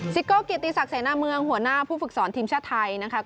โก้เกียรติศักดิเสนาเมืองหัวหน้าผู้ฝึกสอนทีมชาติไทยนะคะ